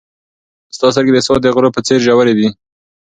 ستا سترګې د سوات د غرو په څېر ژورې دي.